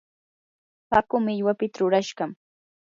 hakuu millwapita rurashqam.